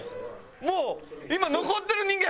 もう今残ってる人間